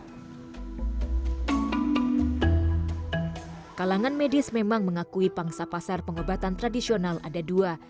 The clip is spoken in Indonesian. kalangan medis memang mengakui pangsa pasar pengobatan tradisional ada dua